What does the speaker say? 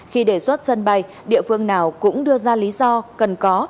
khi đề xuất sân bay địa phương nào cũng đưa ra lý do cần có